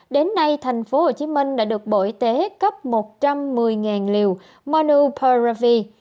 đến nay tp hcm đã được bộ y tế cấp một trăm một mươi liều monopiravir